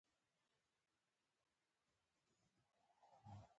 افغاني سوداګر چې به کله د هند بحر ته په سفر روانېدل.